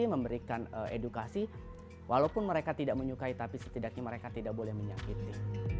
memberikan edukasi walaupun mereka tidak menyukai tapi setidaknya mereka tidak boleh menyakiti